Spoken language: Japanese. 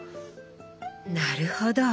なるほど！